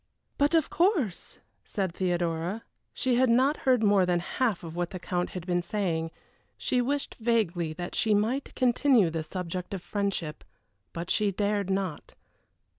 "But of course," said Theodora. She had not heard more than half what the Count had been saying; she wished vaguely that she might continue the subject of friendship, but she dared not.